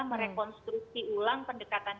merekonstruksi ulang pendekatan